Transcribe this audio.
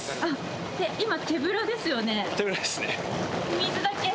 水だけ？